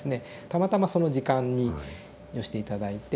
たまたまその時間に寄せて頂いて。